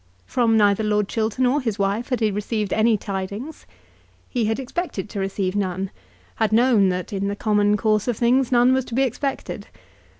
From neither Lord Chiltern or his wife had he received any tidings. He had expected to receive none, had known that in the common course of things none was to be expected.